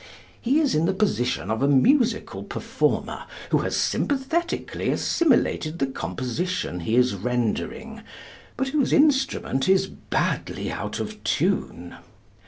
He is in the position of a musical performer who has sympathetically assimilated the composition he is rendering, but whose instrument is badly out of tune.